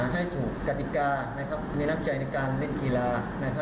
ให้ถูกกติกามีน้ำใจในการเล่นกีฬา